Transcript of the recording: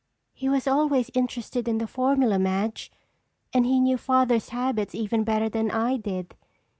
"He was always interested in the formula, Madge. And he knew Father's habits even better than I did.